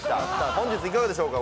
本日いかがでしょうか？